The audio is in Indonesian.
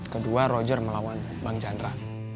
kedua roger melawan bang chandra